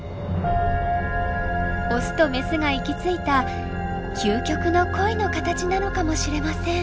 オスとメスが行き着いた究極の恋の形なのかもしれません。